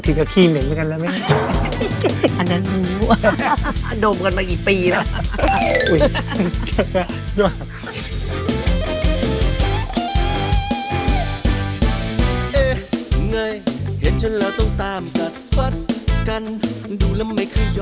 เดี๋ยวเราพักโอเค